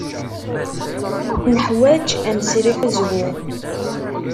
Neḥwaj ad nesriḥ azwu.